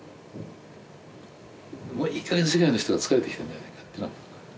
もういいかげん世界の人が疲れてきてるんじゃないかっていうのは。